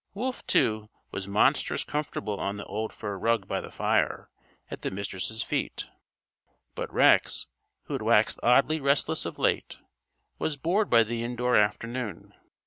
Wolf, too, was monstrous comfortable on the old fur rug by the fire, at the Mistress' feet. But Rex, who had waxed oddly restless of late, was bored by the indoor afternoon.